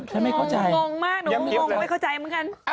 ฉันไม่เข้าใจยังเมียบเลย